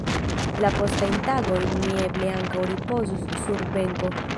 La postajn tagojn mi eble ankaŭ ripozus sur benko.